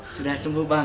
sudah sembuh bang